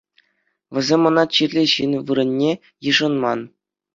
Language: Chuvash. Вӗсем ӑна чирлӗ ҫын вырӑнне йышӑнман.